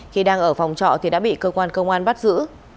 khi đang ở phòng trọ thì đã bị cơ quan công an bắt giữ